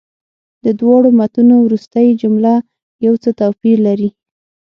د دواړو متونو وروستۍ جملې یو څه توپیر لري.